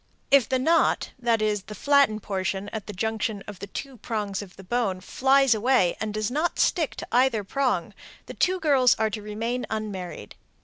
If the "knot" (that is, the flattened portion at the junction of the two prongs of the bone) flies away and does not stick to either prong, the two girls are to remain unmarried.